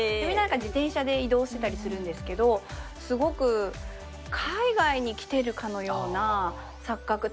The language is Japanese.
みんな何か自転車で移動してたりするんですけどすごく海外に来てるかのような錯覚。